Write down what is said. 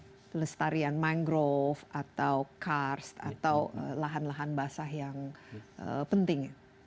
bagaimana pelestarian mangrove atau kars atau lahan lahan basah yang penting